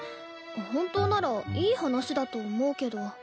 本当ならいい話だと思うけど。